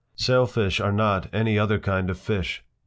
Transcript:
Sailfish are not any other kind of fish.